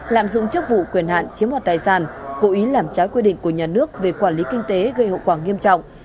lạm dụng chức vụ quyền hạn chiếm hoạt tài sản cố ý làm trái quy định của nhà nước về quản lý kinh tế gây hậu quả nghiêm trọng